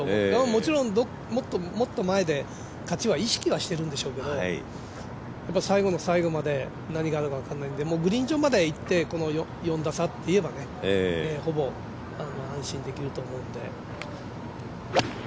もちろん、もっと前で勝ちは意識はしてるんでしょうけど最後の最後まで何があるか分からないのでグリーン上まではいって、４打差っていえばほぼ安心できると思うんで。